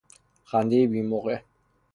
خندهی بیموقع